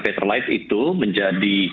pertelite itu menjadi